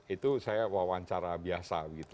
itu saya wawancara biasa gitu